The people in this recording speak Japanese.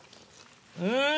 うん！